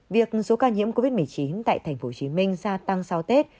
việc số ca nhiễm covid một mươi chín tại tp hcm gia tăng sau tết